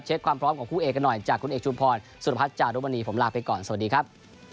ความพร้อมของคู่เอกกันหน่อยจากคุณเอกชุมพรสุรพัฒนจารุมณีผมลาไปก่อนสวัสดีครับ